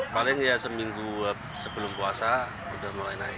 paling ya seminggu sebelum puasa sudah mulai naik